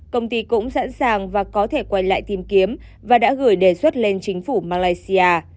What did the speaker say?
công ty cũng sẵn sàng và có thể quay lại tìm kiếm và đã gửi đề xuất lên chính phủ malaysia